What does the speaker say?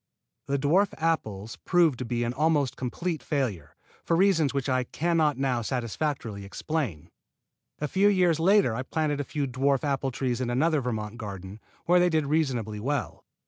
The dwarf apples proved to be an almost complete failure, for reasons which I can not now satisfactorily explain. A few years later I planted a few dwarf apple trees in another Vermont garden, where they did reasonably well.